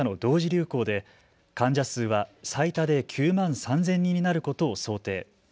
流行で患者数は最多で９万３０００人になることを想定。